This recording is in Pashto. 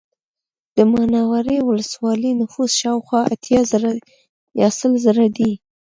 د منورې ولسوالۍ نفوس شاوخوا اتیا زره یا سل زره دی